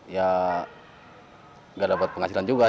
ya tidak dapat penghasilan juga sih